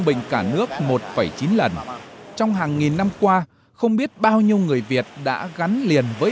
bình cả nước một chín lần trong hàng nghìn năm qua không biết bao nhiêu người việt đã gắn liền với